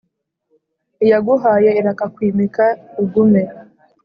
Iyaguhaye irakakwimika ugume.